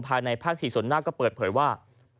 ภายในภาค๔ส่วนหน้าก็เปิดเผยว่า